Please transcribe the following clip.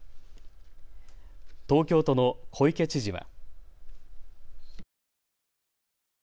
東京都の小池知事は。